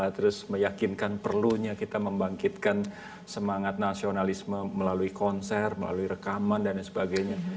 terus meyakinkan perlunya kita membangkitkan semangat nasionalisme melalui konser melalui rekaman dan sebagainya